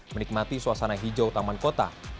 menikmati suasana hijau taman kota